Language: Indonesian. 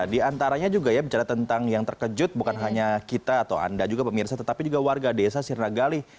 di antaranya juga ya bicara tentang yang terkejut bukan hanya kita atau anda juga pemirsa tetapi juga warga desa sirnagali